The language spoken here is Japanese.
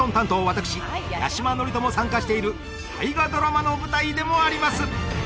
私八嶋智人も参加している大河ドラマの舞台でもあります！